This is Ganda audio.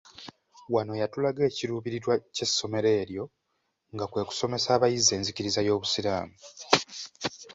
Wano yatulaga ekiruubirirwa ky'essomero eryo nga kwe kusomesa abayizi enzikiriza y'obusiraamu.